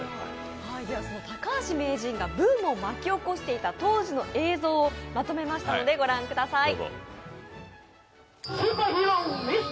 その高橋名人がブームを巻き起こしていた当時の映像をまとめましたので、御覧ください。